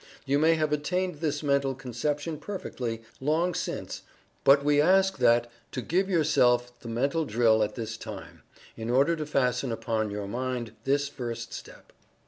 You may have attained this mental conception perfectly, long since, but we ask that to give yourself the mental drill at this time, in order to fasten upon your mind this first step.